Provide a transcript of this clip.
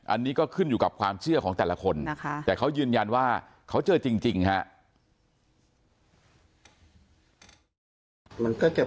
อันนี้ก็ขึ้นอยู่กับความเชื่อของแต่ละคนนะคะแต่เขายืนยันว่าเขาเจอจริงฮะ